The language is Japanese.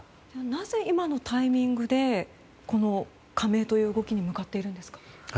なぜ、今のタイミングでこの加盟という動きに向かっているんですか？